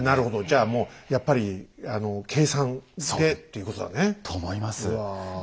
じゃあもうやっぱり計算でということだね。と思います。